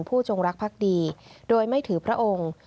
จงรักภักดีโดยไม่ถือพระองค์